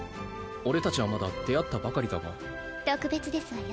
俺達はまだ出会ったばかりだが特別ですわよ